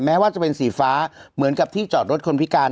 แม้ว่าจะเป็นสีฟ้าเหมือนกับที่จอดรถคนพิการ